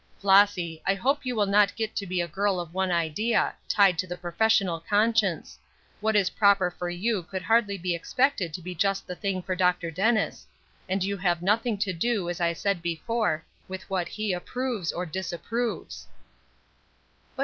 "Flossy, I hope you will not get to be a girl of one idea tied to the professional conscience. What is proper for you could hardly be expected to be just the thing for Dr. Dennis; and you have nothing to do, as I said before, with what he approves or disapproves."